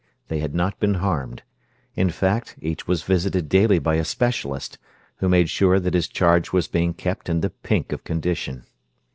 They had not been harmed. In fact, each was visited daily by a specialist, who made sure that his charge was being kept in the pink of condition.